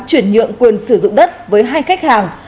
chuyển nhượng quyền sử dụng đất với hai khách hàng